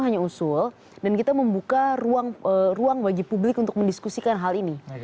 hanya usul dan kita membuka ruang bagi publik untuk mendiskusikan hal ini